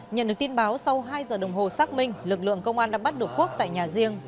nhận được tin báo sau hai giờ đồng hồ xác minh lực lượng công an đã bắt được quốc tại nhà riêng